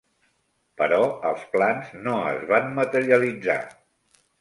Però els plans no es van materialitzar.